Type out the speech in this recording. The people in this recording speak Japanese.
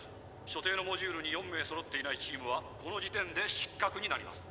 所定のモジュールに４名そろっていないチームはこの時点で失格になります」。